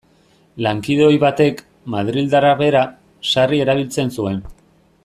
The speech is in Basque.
Lankide ohi batek, madrildarra bera, sarri erabiltzen zuen.